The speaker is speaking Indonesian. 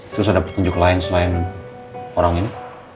terus ada petunjuk lain selain orang ini